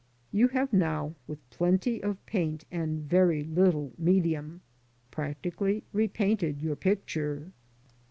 You have now, with plenty of paint and very little medium, practically repainted your picture.